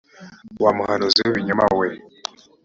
wa muhanuzi w ibinyoma we